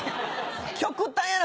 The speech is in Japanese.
極端やな